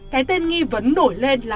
cái tên nghi vẫn nổi lên là